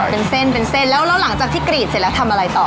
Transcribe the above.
เป็นเส้นเป็นเส้นแล้วแล้วหลังจากที่กรีดเสร็จแล้วทำอะไรต่อ